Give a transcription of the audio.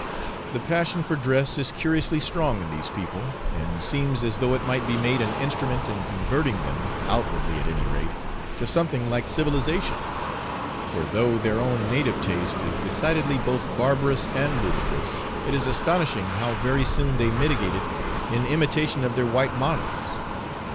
The passion for dress is curiously strong in these people, and seems as though it might be made an instrument in converting them, outwardly at any rate, to something like civilisation; for though their own native taste is decidedly both barbarous and ludicrous, it is astonishing how very soon they mitigate it in imitation of their white models.